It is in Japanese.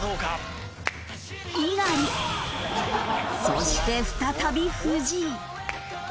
そして再び藤井。